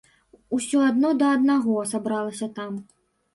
Усё адно да аднаго сабралася там.